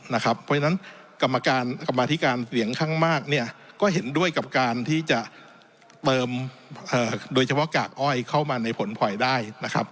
เพราะฉะนั้นกรรมาธิการเสียงข้างมากเนี่ยก็เห็นด้วยกับการที่จะเติมโดยเฉพาะกากอ้อยเข้ามาในผลพลอยได้นะครับ